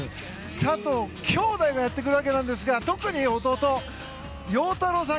佐藤姉弟がやってくるわけなんですが特に弟、陽太郎さん